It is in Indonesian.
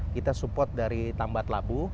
kita support dari tambat labu